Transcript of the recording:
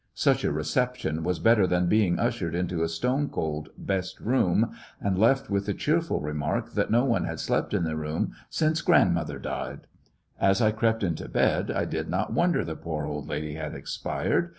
Such a reception was better than being ushered into a stone cold "best room," and left with the cheerful remark that no one had slept in the room since "grandmother died." As I crept into bed I did not wonder the poor old lady had expired.